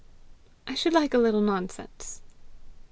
"I should like a little nonsense."